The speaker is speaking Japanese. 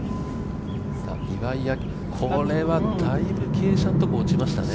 これはだいぶ傾斜のところ落ちましたね。